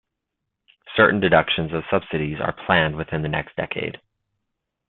Certain deductions of subsidies are planned within the next decade.